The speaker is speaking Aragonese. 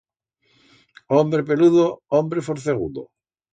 Hombre peludo, hombre forcegudo.